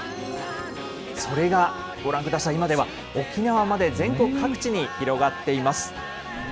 それがご覧ください、今では沖縄まで全国各地に広がっています。